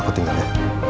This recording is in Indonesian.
aku tinggal ya